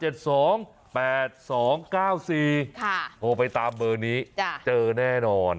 ๐๘๗๕๗๒๘๒๙๔โทรไปตามเบอร์นี้เจอแน่นอน